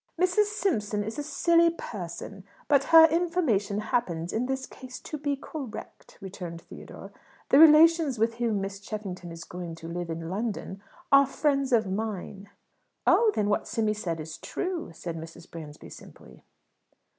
"Mrs. Simpson is a silly person, but her information happens, in this case, to be correct," returned Theodore. "The relations with whom Miss Cheffington is going to live in London are friends of mine." "Oh! Then what Simmy said is true?" said Mrs. Bransby simply.